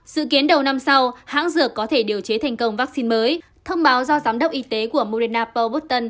dự kiến đầu năm sau hãng dược có thể điều chế thành công vaccine mới thông báo do giám đốc y tế của moderna paul button